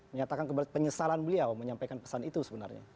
menyatakan penyesalan beliau menyampaikan pesan itu sebenarnya